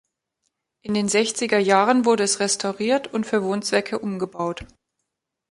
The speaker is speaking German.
In den sechziger Jahren wurde es restauriert und für Wohnzwecke umgebaut.